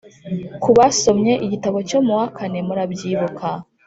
ku basomye igitabo cyo mu wa kane , murabyibuka